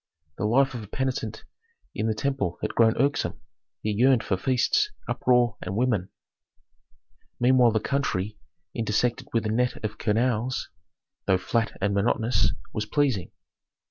The life of a penitent in the temple had grown irksome; he yearned for feasts, uproar, and women. Meanwhile the country, intersected with a net of canals, though flat and monotonous, was pleasing.